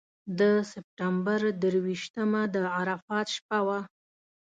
د سپټمبر درویشتمه د عرفات شپه وه.